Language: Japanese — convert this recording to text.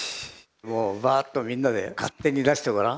もうバーッとみんなで勝手に出してごらん。